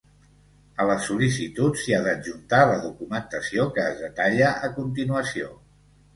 A les sol·licituds, s'hi ha d'adjuntar la documentació que es detalla a continuació.